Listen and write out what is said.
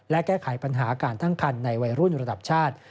และแก้ไขปัญหาการตั้งคันในวัยรุ่นระดับชาติ